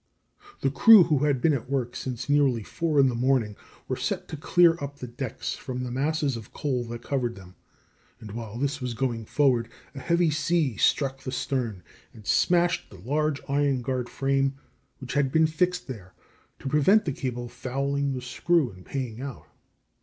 The crew, who had been at work since nearly four in the morning, were set to clear up the decks from the masses of coal that covered them; and while this was going forward a heavy sea struck the stern, and smashed the large iron guard frame which had been fixed there to prevent the cable fouling the screw in paying out.